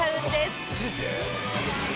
「マジで？」